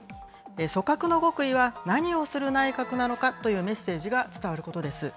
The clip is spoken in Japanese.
組閣の極意は、何をする内閣なのかというメッセージが伝わることです。